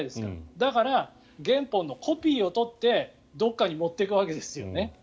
だから、原本のコピーを取ってどこかに持っていくわけですよね。